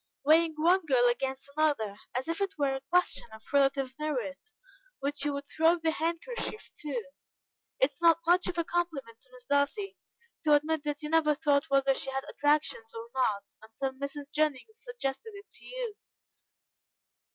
Weighing one girl against another, as if it were a question of relative merit, which you would throw the handkerchief to. It is not much of a compliment to Miss Darcy, to admit that you never thought whether she had attractions or not, until Mrs. Jennings suggested it to you."